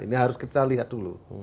ini harus kita lihat dulu